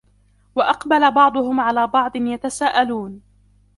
وأقبل بعضهم على بعض يتساءلون